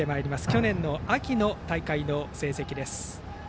去年秋の大会の成績です。